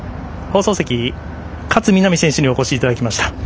放送席、勝みなみ選手にお越しいただきました。